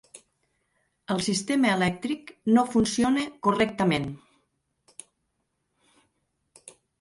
El sistema elèctric no funciona correctament.